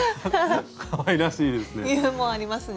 かわいらしいですね。